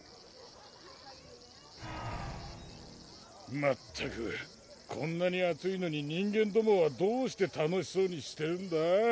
まったくこんなに暑いのに人間どもはどうして楽しそうにしてるんだ？